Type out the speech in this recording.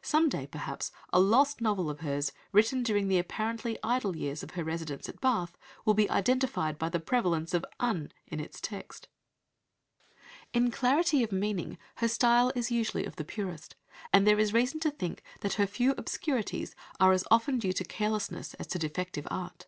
Some day, perhaps, a lost novel of hers, written during the apparently idle years of her residence at Bath, will be identified by the prevalence of "uns" in its text. In clarity of meaning her style is usually of the purest, and there is reason to think that her few obscurities are as often due to carelessness as to defective art.